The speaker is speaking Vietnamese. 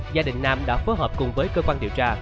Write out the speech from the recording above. gia đình nam đã phối hợp cùng với cơ quan điều tra